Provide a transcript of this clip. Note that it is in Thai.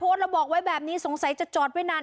บ้านโพสต์แล้วบอกว่าแบบนี้สงสัยจะจอดไปนาน